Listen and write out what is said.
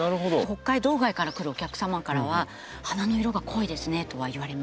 北海道外から来るお客様からは「花の色が濃いですね」とは言われますね。